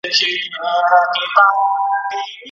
زه به د پنجاب د ړنګېدلو زېری درکمه